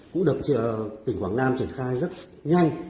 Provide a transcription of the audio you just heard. cũng được tỉnh quảng nam triển khai rất nhanh